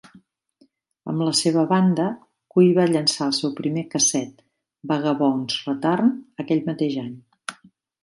Amb la seva banda, Cui va llançar el seu primer casset "Vagabond's Return" aquell mateix any.